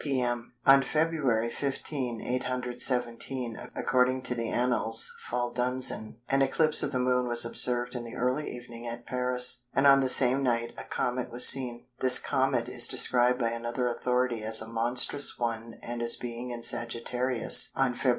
p.m. On Feb. 15, 817, according to the Annales Fuldenses, an eclipse of the Moon was observed in the early evening at Paris, and on the same night a Comet was seen. This Comet is described by another authority as a "monstrous" one and as being in Sagittarius on Feb.